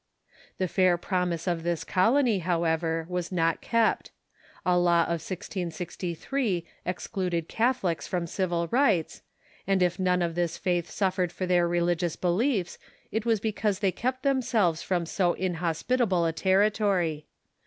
The fair promise of this colony, how ever, was not kept. A law of 1G63 excluded Catholics from civil rights, and if none of this faith suffered for their relig ious beliefs it was because they kept themselves from so in hospitable a territory.